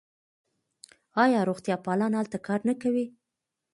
آیا روغتیاپالان هلته کار نه کوي؟